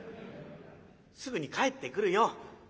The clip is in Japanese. すぐに帰ってくるよ」。